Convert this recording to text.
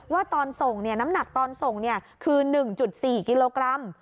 ว่าตอนส่งน้ำหนักตอนส่งคือ๑๔กิโลกรัม